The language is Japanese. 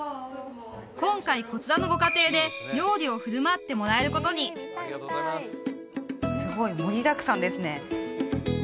今回こちらのご家庭で料理を振る舞ってもらえることにすごい盛りだくさんですね